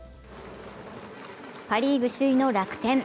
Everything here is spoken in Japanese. パ・リーグ首位の楽天。